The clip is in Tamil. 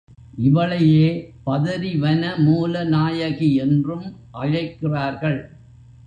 இவளையே பதரி வன மூல நாயகி என்றும் அழைக்கிறார்கள்.